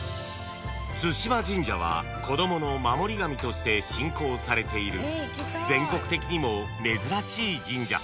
［津嶋神社は子供の守り神として信仰されている全国的にも珍しい神社］